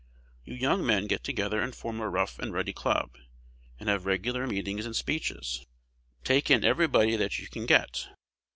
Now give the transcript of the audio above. You young men get together and form a Rough and Ready Club, and have regular meetings and speeches. Take in everybody that you can get.